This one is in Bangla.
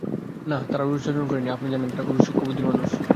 না, তারা রূঢ় আচরণ করেনি, আপনি জানেন, তাঁরা খুবই সূক্ষ্ম বুদ্ধির মানুষ।